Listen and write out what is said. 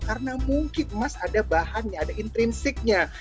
karena mungkin emas ada bahannya ada intrinsiknya